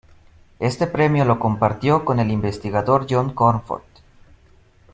Este premio lo compartió con el investigador John Cornforth.